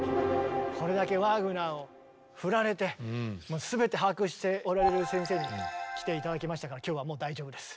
これだけワーグナーを振られてもう全て把握しておられる先生に来て頂きましたから今日はもう大丈夫です。